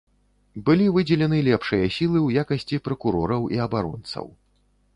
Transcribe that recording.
Былі выдзелены лепшыя сілы ў якасці пракурораў і абаронцаў.